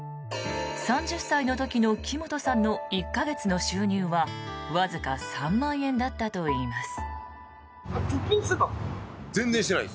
３０歳の時の木本さんの１か月の収入はわずか３万円だったといいます。